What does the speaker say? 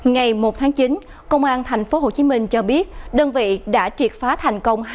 ngày một tháng chín công an tp hcm cho biết đơn vị đã triệt phá thành công